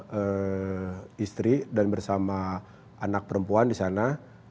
bersama istri dan bersama anak perempuan di sana